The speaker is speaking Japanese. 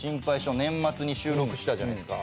年末に収録したじゃないですか。